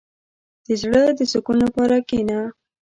• د زړۀ د سکون لپاره کښېنه.